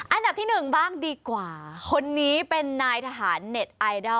อันดับที่หนึ่งบ้างดีกว่าคนนี้เป็นนายทหารเน็ตไอดอล